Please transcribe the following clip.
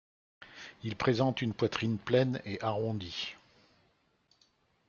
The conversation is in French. Il présente une poitrine pleine et arrondie.